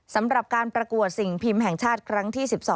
สำหรับการประกวดสิ่งพิมพ์แห่งชาติครั้งที่๑๒